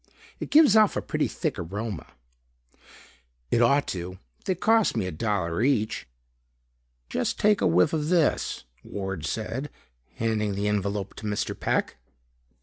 It gives off a pretty thick aroma." "It ought to. They cost me a dollar each." "Just take a whiff of this," Ward said, handing the envelope to Mr. Peck.